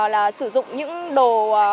là sử dụng những đồ